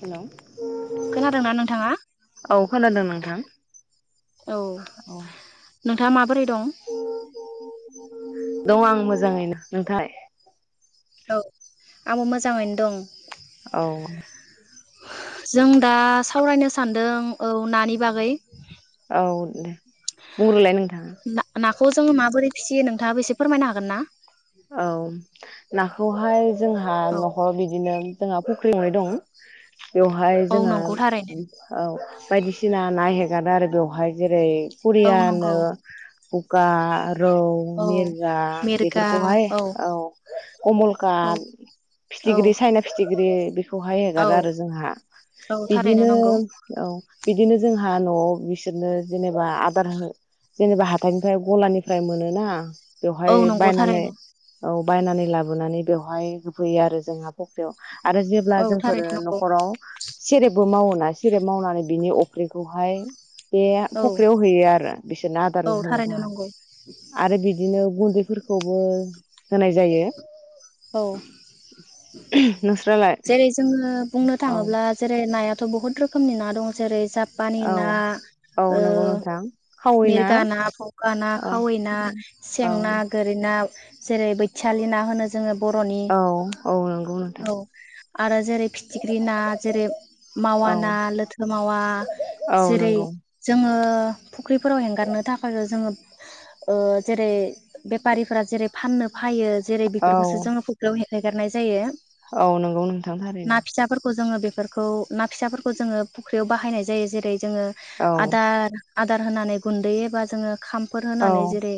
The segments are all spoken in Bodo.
हेल' औ खोनादोंना नोंथाङा खोनादों नोंथां औ औ नोंथाङा माबोरै दं [unintelligible] दङ आं मोजाङैनो नोंथां औ आंबो मोजाङैनो दं औ जों दा सावरायनो सानदों औ नानि बागै औ दे मुरलाय नों ना ना बेखौ जोङो माबोरै फिसियो नोंथाङा बेसे फोरमायनो हागोन ना औ नाखौ हाय जोंहा औ नखराव बिदिनो जोंहा फुख्रिआवनाय दं बेवहाय औ जोंहा नंगौ थारैनो औ बायदिसि सिना ना हेगारो आरो बेवहाय जेरै औ कुरियानो नंगौ गा रौ औ मिरगा बेफोरखौ बेहाय औ औ कमलकाट औ फिथिग्रि साइना फिथिग्रि बेखौहाय औ हगारो आरो जोंहा औ थारैनो बिदिनो नंगौ औ बिदिनो जोंहा न'आव बिसोरनो जेनेबा आदार जेनेबा हाथाइनिफ्राय गलानिफ्राय मोनोना औ बेवहाय नंगौ बायनानै थारैनो औ बायनानै लाबोनानै बेवहाय होफैयो आरो जोंहा फख्रियाव आरो जेब्ला औ जोंफोरो थारैनो नंगौ न'खराव सेरेबबो मावोना सेरेब मावनानै बिनि अफ्रिखौहाय बे औ फख्रियाव हैयो आरो बिसोरनो औ आदार होनो थारैनो थाखाय नंगौ आरो बिदिनो गुन्दैफोरखौबो होनाय जायो औ नोंस्रालाय जेरै जोङो बुंनो औ थाङोब्ला जेरै नाया बहुत रोखमनि ना दं जेरै जा पानि औ ना औ ओ नंगौ नोंथां खावैना मिरगा ना फखा ना औ खावै ना सें औ ना गोरि ना जेरै बैथियालि ना होनो ज जोङो बर'नि औ औ नंगौ नोंथां औ आरो जेरै फिथिख्रि ना जेरै मावा औ ना लोथो मावा औ जेरै नंगौ जोङो फुख्रिफोराव हेंगारनो थाखाय जोङो ओ जेरै बेफारिफोरा जेरै फाननो फायो जेरै औ खौसो जोङो फुख्रिआव एगारनाय जायो। औ नंगौ नोंथां थारैनो। खौ जोङो बेफोरखौ ना फिसाफोरखौ जोङो फुख्रियाव बाहायनाय जायो जेरै जोङो औ आदार आदार होनानै गुन्दै एबा जोङो खामफोर औ होनानै जेरै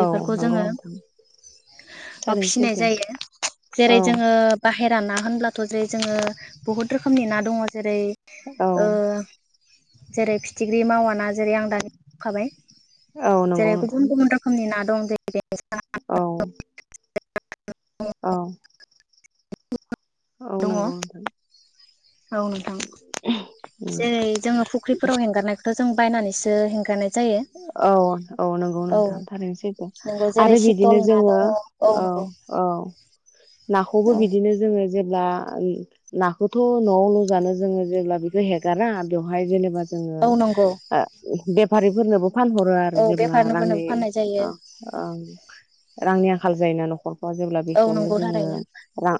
औ जोङो नंगौ नोंथां बेयाव थारैनो फिनाय सैथो जायो जेरै औ जोङो बा फेराना होनब्ला थ जै जोङो बहुत रोखोमनि ना दङ जेरै औ ओ जेरै फिथिख्रि मावा ना जेरै आं [unintelligible] औ नंगौ जेरै नोंथां गुबुन गुबन रोखोमनि ना। [unintelligible] औ। औ। औ दङ नंगौ नोंथां। औ नोंथां जेरै जोङो फुख्रिफोराव हेंगारनायखौ जों बायनानैसो हेंगारनाय। जायो औ औ नंगौ औ नोंथां थारैनो सैथो नंगौ आरो जेरै सितल बिदिनो ना जोङो दङ औ नंगौ औ नाखौबो औ बिदिनो जोङो जेन ब्ला [unintelligible] नाखौथ नआवल जानो जोङो जेब्ला बेखौ हेगारा बेवहाय जेनेबा। जोङो औ नंगौ ओ बे। फोरनोबो। फानहरो आरो औ जेब्ला रांनि बेफारफोरनोबो फाननाय जायो ओं ओं। रांनि आंखाल जायोना नखर। जेब्ला औ बेखौनो नंगौ जोङो थारैनो रां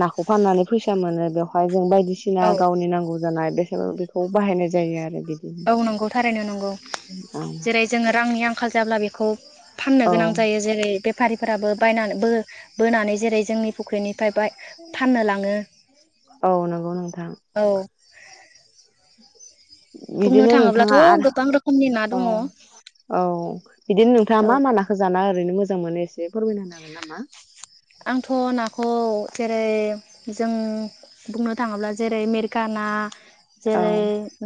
ना खौ फाननानै फैसा मोनो बेवहाय जों बाय दिसिना औ गावनि नांगौ जानाय [unintelligible] खौ बाहायनाय जायो आरो। बिदिनो औ नंगौ थारैनो [unintelligible] गौ औ जेरै जोङो रांनि आं खा जायाब्ला बेखौ। फाननो औ गोनां जायो जेरै बेफारिफोराबो बायनानैबो। बोनानै जेरै जोंनि फुख्रिनि। फायबाय फाननो लाङो औ नंगौ नोंथां औ। बुंनो बिदिनो थाङोब्लाथ नोंथाङा आरो गोबां रोखोमनि ना औ दङ। औ बिदिनो नोंथाङा मा मा नाखौ जानो? ओरैनो मोजां मोनो एसे फोरमायनो हागोन नामा? आंथ नाखौ जेरै जों बुंनो थाङोब्ला जेरै मेरिका ना औ जेरै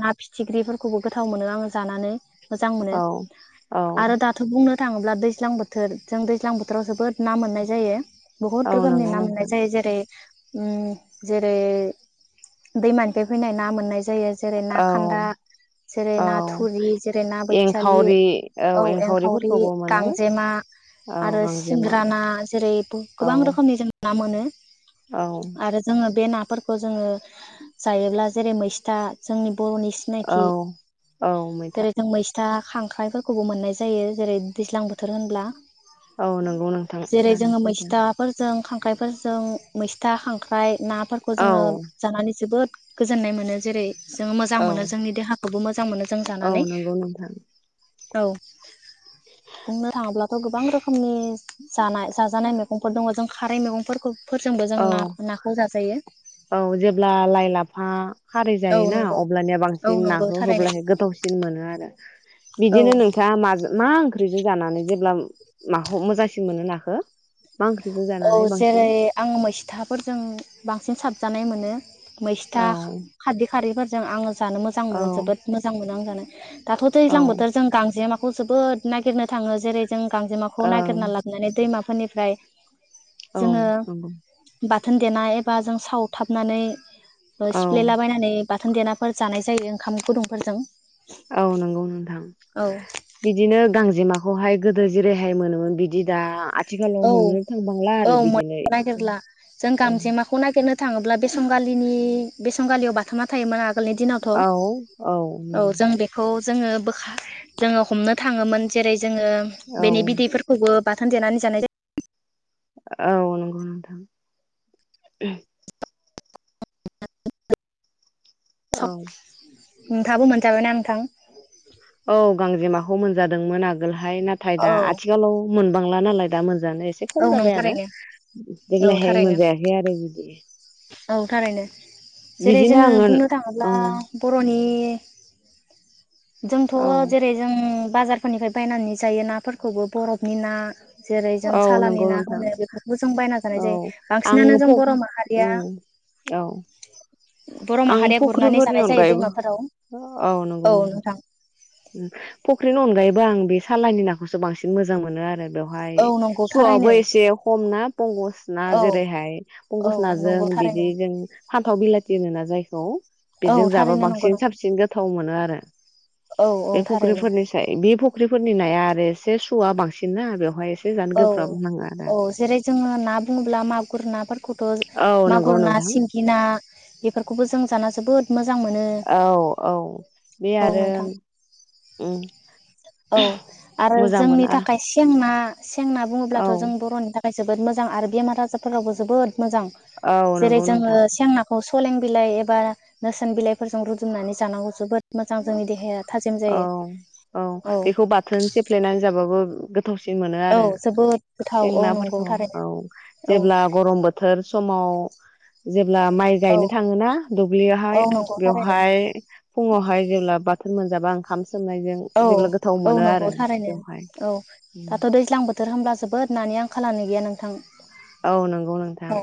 ना फिथ। फिख्रिफोरखौबो गोथाव मोनो आङो जानानै। मोजां मोनो औ औ आरो दाथ बुंनो। थाङोब्ला दैज्लां बोथोर जों दैज्लां बोथोराव जोबोद ना मोननाय जायो। औ बुहुत रोखोमनि नंगौ ना मोननाय नोंथां जायो जेरै उम जेरै दैमानिफ्राय फैनाय ना मोननाय ज जायो जेरै ना औ खान्दा जेरै ना औ थुरि जेरै ना बोथियालि एंखावरि औ एंखावरि एंखावरिफोरखौबो मोनो गांजेमा औ आरो गांजेमाव सिंग्रा ना जेरै ब औ गोबां रोखनि जों ना मोनो। औ आरो जोङो बे ना फोरखौ जोङो जायोब्ला जेरै मैस्था जोंनि बर'नि सिनायथि औ औ मैथा जेरै जों मैस दा खांख्राइफोरखौबो मोननाय जायो जेरै दैज्लां बोथोर होनब्ला औ नंगौ नोंथां लानोसै [unintelligible] द नाफोरजों खांख्राइफोरजों मैस्था खांख्राइ नाफोरखौ औ जोङो जानानै जोबोद गोजोननाय मोनो जेरै जोङो मोजां औ मोनो जोंनि देहाखौबो मोजां मोनो जों औ जानानै। नंगौ नोंथां औ बुंनो थाङोब्लाथ' गोबां रोखोम [unintelligible] जानाय जाजानाय मेग खद दङ जों खारै मैगंफोरखौ जों औ ना नाखौ जाजायो औ जेब्ला लाइ लाफा खारै औ जायोना नंगौ अब्लानिया औ बांसिन नंगौ नाखौ थारैनो होब्लाहे गोथावसिन मोनो आरो औ बिदिनो नोंथाङा मजो मा ओंख्रिजों जानानै जेब्ला माखौ मोजांसिन मोनो नाखो? मा ओंख्रिजों औ जानानै बांसिन? जेरै आं मैस्थाफोरजों बांसिन साबजानाय मोनो। मैस्था औ खाददै खारैफोर जों आङो जानो मोजां औ मोनो जोबोद मोजां मोनो आं जानो। [inaudible] दाथ' औ दैज्लां बोथोर जों गांजेमा खौ जोबोद नागिरनो थाङो । जेरै जों गांजेमाखौ ओं नागिरना लाबनानै दैमा फोरनिफ्राय औ जोङो नंगौ बा थोन देनाय एबा जों सावथाबनानै ओ औ सिफ्लेलाबायनानै बाथोन देना फोर जानाय जायो ओंखाम गुदुंफोरजों औ नंगौ नोंथां औ बिदिनो गांजेमा खौहाय गोदो जेरैहाय मोनोमोन बिदि दा आ औ थिखालाव मोननो थांबांला औ आरो बिदिनो मोननो इसे नागिरला जों ओ गांजेमाखौ नागिरनो थाङोब्ला बेसंगालिनि बेसंगालियाव बाथामना थायोमोन आ गोलनि दिनावथ' औ जों बेखौ जोङो बोखा जोङो हमनो थाङोमोन जेरै जोङो औ बेनि बिदैफोरखौबो बाथोन देनानै जानाय जायो। औ नंगौ नोंथां। औ [unintelligible] नोंथाङाबो मोनजाबायना नोंथां। औ गांजेमाखौ मोनजादोंमोन आगोल। हाय नाथाय दा आथिखालाव मोन बांला नालाय दा मोन जानो एसे औ खम नंगौ जाबाय आरो थारैनो औ देग्लायहाय थारैनो मोनजायाखै आरो बिदि। औ थारैनो। जेरै बिदिनो जोङो आङो बुंनो थाङोब्ला औ बर'नि [inaudible] जोंथ' औ जेरै जों बाजारफोरनिफ्राय बायनानै जायो नाफोरखौबो बरफनि ना जेरै जों औ सालानि नंगौ ना नोंथां होनो बेफोरखौ जों बायना जानाय औ जायो आं बांसिनानो जों फ बर' माहारिया उम औ बर' आं माहारिया गुरनानै फुख्रिफोरनि जानाय जायो अनगायैबो दैमाफोराव औ नंगौ नोंथां आं बे सालानि नाखौसो बांसिन मोजां मोनो आरो बेवहाय औ नंगौ सुआवबो थारैनो एसे खम ना पंकस ना औ जेरैहाय औ पंकस नाजों नंगौ थारैनो बिदि जों थाव बिलाथि होनो ना जायखौ औ बेजों जाबा थारैनो नंगौ बांसिन नोंथां साबसिन गोथाव मोनो आरो औ औ बे थारैनो फुख्रिफोरनिसाय बे फुख्रिफोरनि नाया आरो एसे सुवआ बांसिनना बेवहाय एसे जानो औ गोब्राब नाङो आरो औ जेरै जोङो ना बुङोब्ला मागुर नाफोरखौथ' औ मागुर नंगौ ना नोंथां सिंगि ना बेफोरखौबो जों दाना जोबोद मोजां मोनो औ औ बे औ आरो नोंथां उम औ आरो मोजांबो जोंनि ना थाखाय सेंना सेंना बुङोब्लाथ' औ जों बर'नि थाख खाय जोबोद मोजां आरो बेमार आजारफोरावबो जोबोद मोजां औ जेरै नंगौ जोङो नोंथां सेंनाखौ फलें बिलाइ एबा नोसोन बिलाइफोरजों रुदुमनानै जानांगौ जोबोद मोजां जोंनि देहाया थाजिम औ जायो औ बेखौ बाथोन सेफ्लेनानै जाबाबो गोथ थावसि मोनो औ आरो जोबोद गोथाव औ नंगौ जेंनाफोरखौ थारैनो औ औ जेब्ला गरम बोथोर समाव जे ब्ला माइ औ गायनो थाङोना औ दुब्लियावहाय नंगौ थारैनो बेवहाय फुङावहाय बा बाथोन मोनजाबा ओंखामस औ औ नंगौ थारैनो बेवहाय औ दाथ' दैज्लां बोथोर हामब्ला जोबोद नानि आंखा खालानो गैया नोंथां औ नंगौ नोंथां औ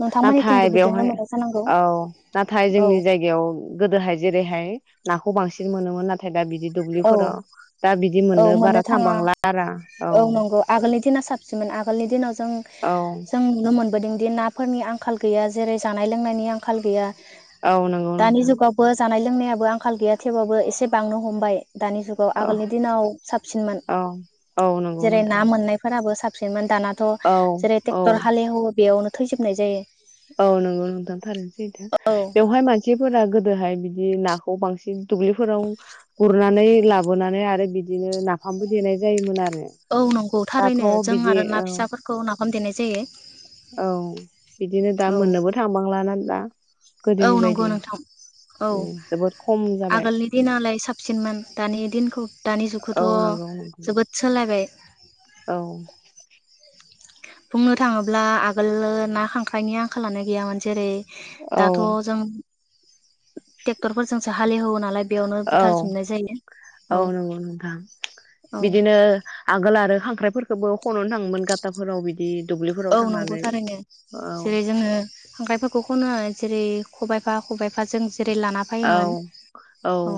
नोंथांमोननिथिंबो नाथाय बिदिनो बेवहाय मोनो जानांगौ औ नाथाय औ जोंनि जायगायाव गोदोहाय जेरैहाय नाखौ बांसिन मोनोमोन नाथाय दा बिद दि औ दुब्लिफोराव दा बिदि औ मोननो बारा थाङा थांबांला आरो औ सो आगोलनि दिनाव ओं औ जों नुनो मोन बोदिंदि नाफोरनि आंखाल गैया जेरै जानाय लोंनायनि आंखाल गैया औ नंगौ दानि नोंथां जुगावबो जानाय लोंनायाबो आंखाल गैया थेवबाबो एसे बांनो हमबाय दानि जुगाव औ आगोलनि दिनाव साबसिनमोन औ औ नंगौ जेरै ना नोंथां मोननायफोराबो साब फ्रेमोन दानाथ' औ जेरै औ ट्रेक्टर हालेव बेयावनो थैजोबनाय जायो औ नंगौ नंथां थारसैथा औ बेवहाय मानसिफोरा गोदोहाय दि नाखौ बांसिन दुब्लिफोराव गुरनानै लाबोनानै आरो बिद दिनो नाफामबो देनाय जायोमोन आर औ नंगौ थारैनो जों आरो ना औ फिसाफोरखौ नाग हम देनाय जायो औ । बिदिनो दा औ मोननोबो थांबांलाना दा औ गोदोनि नंगौ बायदि नोंथां औ उम जोबोद खम जाबाय आगोलनि दिनालाय साबसिनमोन दानि दिनखौ दानि औ जुगखौथ नंगौ नंगौ जोबोद सोलायबाय औ बुंनो थांङोब्ला आगोल ना खांख्राइनि आंखालानो गैयामोन जेरै [inaudible] औ ट्रेक्टर फोरजोंसो हा औ औ नंगौ नोंथां औ बिदिनो आगोल आरो खां खांख्राइफोरफोरखौबो खननो थांङोमोन गााथाफोराव बिदि दुब्लिफोराव औ नंगौ थांनानै थारैनो औ जेरै जोंङो खांख्रायफोरखौ खननानै जेरै खबाइफा खबाय एफा जों जेरै लाना औ फायोमोन औ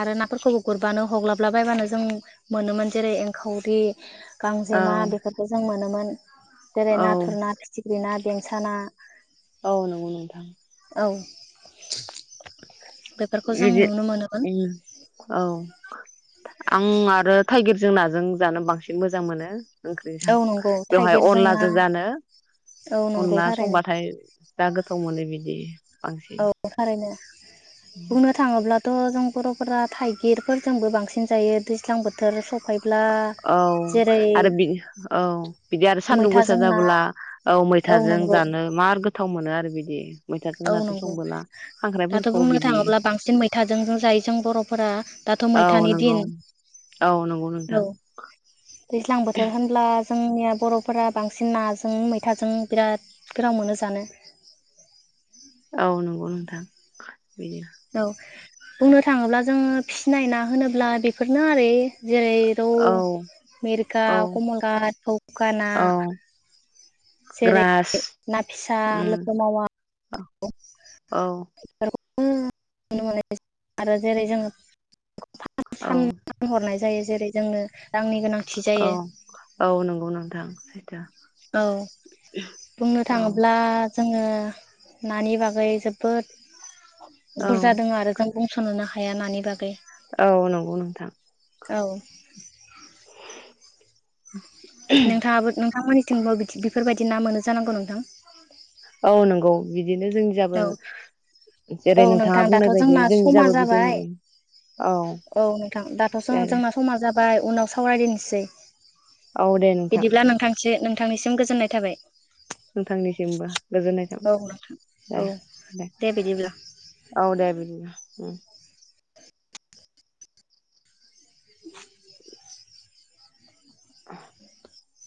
आरो नाफोरखौबो गुरबानो हग्लाबला बायबानो जों मोनोमोन जेरै एंखावरि औ गांजेमा बेफोरफोरखौ जों मोनोमोन जेरै औ नाथुर ना फिथिख्रि ना बें साना औ नंगौ नोंथां औ बेफोरखौ जों बिदि नुनो मोनोमोन औ आं आरो थाइगिरजों नाजों जानो बांसिन मोजां मोनो ओंख्रिजों औ नंगौ बेवहाय थाइगिरजों ना अनलाजों जानो औ नंगौ अनला थारैनो संबाथाय दा गोथ समं मोनो बिदि औ बांसिन थारैनो [inaudible] बुंनो थांङोब्लाथ' जों बर'फोरा थाइगिरफोरजोंबो बांसिन जायो दैज्लां बोथोर सफाय औ आरो बि औ बिदि आरो सानदुं गोसा मैथाजों ना जाबोला औ मैथाजों जानो मार गोथाव मोनो आरो आरो बिदि मैथाजों औ नाजों नंगौ संबोला दाथ' खांख्राइफोरखौ बुंनो बिदि थांङोब्ला बांसिन मैथाजों जायो जों बरफोरा दाथ औ मैथानि नंगौ दिन औ नंगौ नोंथां औ दैज्लां बोथोर होनब्ला जोंनिया बर'फोरा बांसिन नाजों मैथाजों बिराद गोथाव मोनो जानो। औ नोंगौ नोंथां। बिदि औ बुंनो थाङोब्ला जोङो फिनाय ना होनोब्ला बेफोरनो आरो जेरै रौ औ मिरका औ कमलखात फौका ना औ जेरै ग्रास ना फिसा उम लोगो मावा औ नुनो मोनो आरो जेरै जों [unintelligible] फानहरनाय जायो जेरै जोङो रांनि गोनांथि औ जायो औ नंगौ नोंथां सैथो औ बुंनो औ थाङोब्ला जोङो नानि बागै जोबोद औ बुरजा दोङो आरो जों बुंसनोनो हाया नानि बागै औ नंगौ नोंथां औ नोंथाङाबो नोंथांमोननि थिंबो बि-बिफोरबायदि ना मोनो जानांगौ नोंथां औ नंगौ बि दिनो जोंनि जाबो औ औ जेरै नोंथाङा नोंथां दाथ' बुंनाय जोंना बायदि जोंनि समा जाबो बिदिनो जाबाय मोनो। औ नोंथां दाथ' जोंना समाजा बाय उनाव सावराय दोनसै औ दे नोंथां बिदिब्ला नोंथांस नोंथांनिसिम गोजोननाय थाबाय। [inaudible] नोंथांनिसिमबो गोजोननाय थाब औ नोंथां दे औ दे औ दे बिदिनो उम [inaudible] [inaudible]